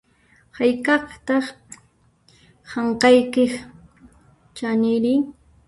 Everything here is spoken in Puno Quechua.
Hayk'ataq hank'aykiq chaninri?